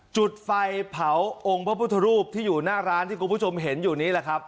จุดไฟเผาองค์พระพุทธรูปที่อยู่หน้าร้านที่คุณผู้ชมเห็นอยู่นี้แหละครับ